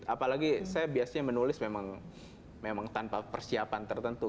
apalagi saya biasanya menulis memang tanpa persiapan tertentu